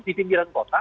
di pinggiran kota